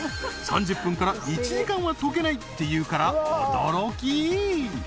３０分から１時間は溶けないっていうから驚き！